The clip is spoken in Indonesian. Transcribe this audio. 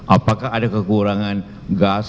apakah ada kekurangan gas